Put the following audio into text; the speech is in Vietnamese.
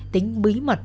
tính bí mật